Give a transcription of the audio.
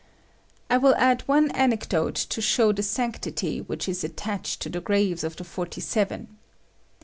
'" I will add one anecdote to show the sanctity which is attached to the graves of the Forty seven.